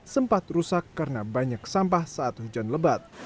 sempat rusak karena banyak sampah saat hujan lebat